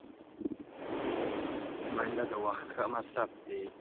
منډه د وخت ښه مصرف دی